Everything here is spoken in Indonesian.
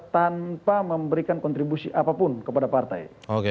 tanpa memberikan kontribusi apapun kepada partai